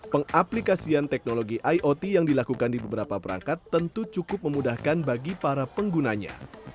pengaplikasian teknologi iot yang dilakukan di beberapa perangkat tentu cukup memudahkan bagi para penggunanya